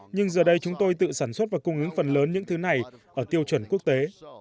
nhưng giờ đây chúng tôi tự sản xuất và cung ứng phần lớn những thứ này ở tiêu chuẩn quốc tế